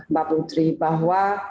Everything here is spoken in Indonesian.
mbak putri bahwa